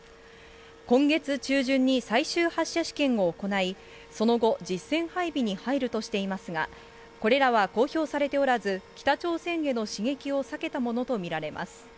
今月中旬に最終発射試験を行い、その後、実戦配備に入るとしていますが、これらは公表されておらず、北朝鮮への刺激を避けたものと見られます。